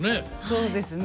そうですね。